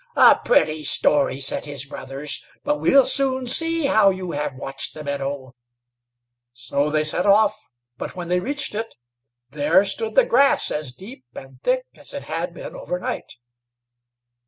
"A pretty story," said his brothers; "but we'll soon see how you have watched the meadow;" so they set off; but when they reached it, there stood the grass as deep and thick as it had been over night.